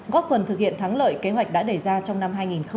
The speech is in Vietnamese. góp phần thực hiện thắng lợi kế hoạch đã đề ra trong năm hai nghìn hai mươi